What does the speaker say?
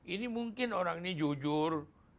ini mungkin orang ini jujur